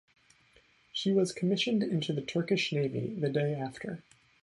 She was commissioned into Turkish Navy the day after.